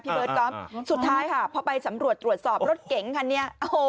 เบิร์ตก๊อฟสุดท้ายค่ะพอไปสำรวจตรวจสอบรถเก๋งคันนี้โอ้โห